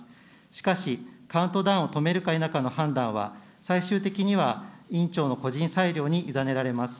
しかし、カウントダウンを止めるか否かの判断は、最終的には委員長の個人裁量に委ねられます。